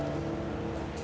aku akan bawa kamu ke rumah